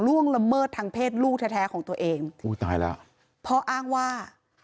ล่วงละเมิดทางเพศลูกแท้แท้ของตัวเองอุ้ยตายแล้วพ่ออ้างว่า